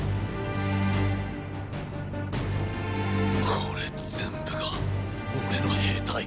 これ全部が俺の兵隊！